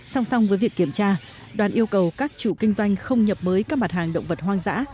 song song với việc kiểm tra đoàn yêu cầu các chủ kinh doanh không nhập mới các mặt hàng động vật hoang dã